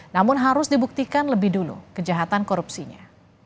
namun harus dibuktikan lebih dulu kejahatan korupsinya